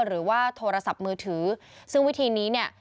หรือว่าโทรศัพท์มือถือซึ่งวิธีนี้เนี่ย